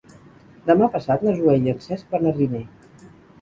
Demà passat na Zoè i en Cesc van a Riner.